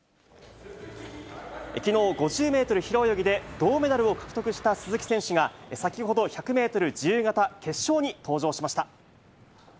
きのう、５０メートル平泳ぎで銅メダルを獲得した鈴木選手が、先ほど１００メートル自由形決勝に登場しました。